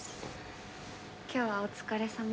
今日はお疲れさま。